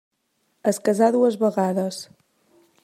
Es casà dues vegades.